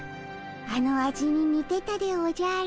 あの味ににてたでおじゃる。